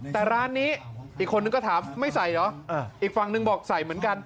แต่ร้านนี้อีกคนนึงก็ถามไม่ใส่เหรออีกฝั่งหนึ่งบอกใส่เหมือนกัน